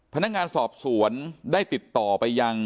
พนักงานสอบสวนได้ติดต่อไปยัง